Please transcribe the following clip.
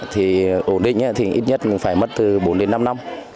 thì ổn định thì ít nhất phải mất từ bốn đến năm năm